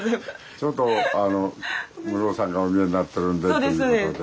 ちょっとあのムロさんがお見えになってるんでっていうことで。